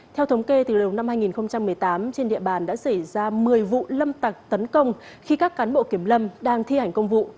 theo thống kê từ đầu năm hai nghìn một mươi tám trên địa bàn đã xảy ra một mươi vụ lâm tặc tấn công khi các cán bộ kiểm lâm đang thi hành công vụ